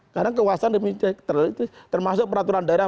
karena keuasan termasuk peraturan daerah